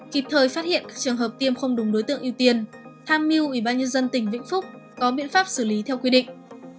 kịp thời phát hiện các trường hợp tiêm không đúng đối tượng ưu tiên tham mưu ubnd tỉnh vĩnh phúc có biện pháp xử lý theo quy định